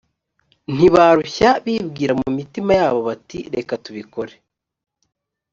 ntibarushya bibwira mu mitima yabo bati reka tubikore